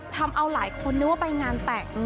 ทำเอาหลายคนนึกว่าไปงานแต่ง